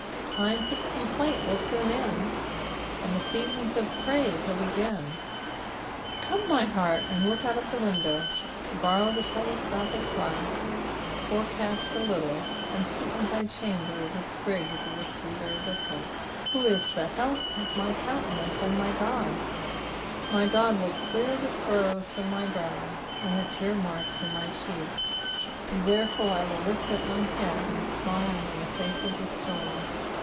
Times of complaint will Boon end, and sessons of praise will begin. Come, my heart, look out of ths window, borrow the telescopic glass, forecast a little, and sweeten thy chamber with sprigs of the sweet herb of hope. " Who m tht health of my eountaumoe, and my Ood." Uy Qod will clear the furrows from my brow, and the tear marks from my cheek ; therefore will I lift up my head and smile in the face of the storm.